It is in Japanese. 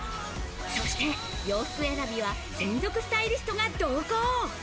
そして洋服選びは、専属スタイリストが同行。